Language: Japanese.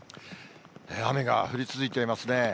雨が降り続いていますね。